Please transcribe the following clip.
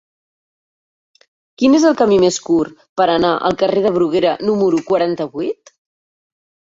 Quin és el camí més curt per anar al carrer de Bruguera número quaranta-vuit?